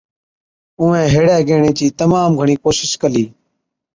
اُونهَين هيڙَي گيهڻي چِي تمام گھڻِي ڪوشش ڪلِي،